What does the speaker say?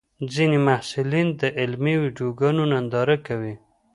ځینې محصلین د علمي ویډیوګانو ننداره کوي.